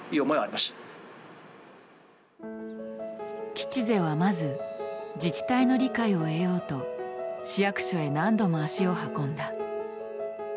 吉瀬はまず自治体の理解を得ようと市役所へ何度も足を運んだ。